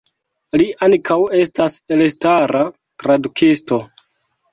Li ankaŭ estas elstara tradukisto.